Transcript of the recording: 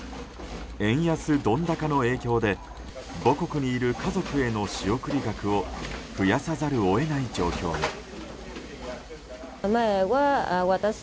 円安ドル高の影響で母国にいる家族への仕送り額を増やさざるを得ない状況です。